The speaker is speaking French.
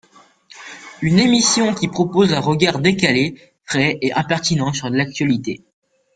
Une émission qui propose un regard décalé, frais et impertinent sur l'actualité.